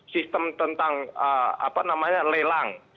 sistem tentang apa namanya lelang